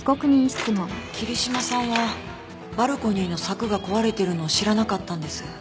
桐島さんはバルコニーの柵が壊れているのを知らなかったんです。